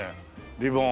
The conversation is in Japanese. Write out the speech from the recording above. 「リボン」。